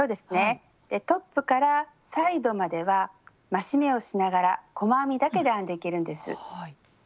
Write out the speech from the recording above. トップからサイドまでは増し目をしながら細編みだけで編んでいけるんです。